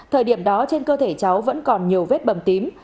thời điểm đó trên cơ thể cháu vẫn còn nhiều vết bầm tím